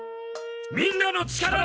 みんなの力で！